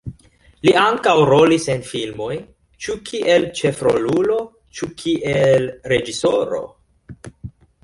Li ankaŭ rolis en filmoj, ĉu kiel ĉefrolulo, ĉu kiel reĝisoro.